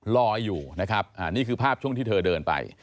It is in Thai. รออยู่นะครับนี่คือภาพช่วงที่เธอเดินไป